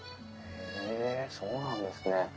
へえそうなんですね。